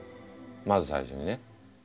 まず最初にね。